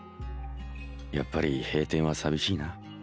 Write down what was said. やっぱり閉店は寂しいな。